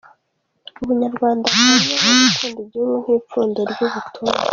Ubunyarwanda buhamye no gukunda igihugu nk’ipfundo ry’ubutore.